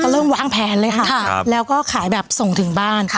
เริ่มวางแผนเลยค่ะแล้วก็ขายแบบส่งถึงบ้าน